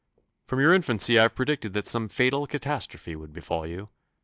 From your infancy I have predicted that some fatal catastrophe would befall you.